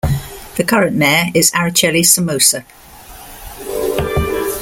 The current mayor is Araceli Somosa.